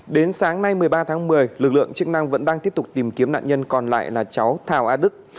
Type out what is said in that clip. đến sáng nay một mươi ba tháng một mươi lực lượng chức năng vẫn đang tiếp tục tìm kiếm nạn nhân còn lại là cháu thảo a đức